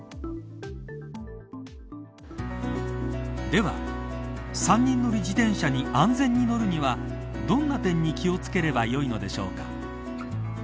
では、３人乗り自転車に安全に乗るにはどんな点に気を付ければよいのでしょうか。